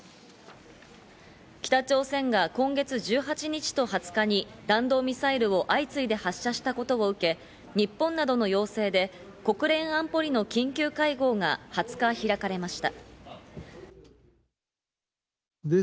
北朝鮮が今月１８日と２０日に弾道ミサイルを相次いで発射したことを受け、日本などの要請で国連安保理の緊急会合が２０日、開かれました。